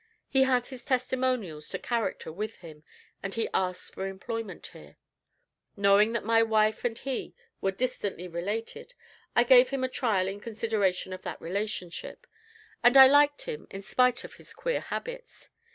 He had his testimonials to character with him, and he asked for employment here. Knowing that my wife and he were distantly related, I gave him a trial in consideration of that relationship, and liked him in spite of his queer habits.